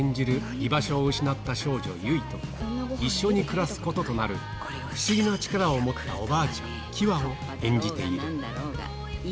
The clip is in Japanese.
居場所を失った少女、ユイと、一緒に暮らすこととなる、不思議な力を持ったおばあちゃん、キワを演じている。